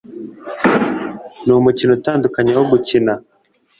Numukino utandukanye wo gukina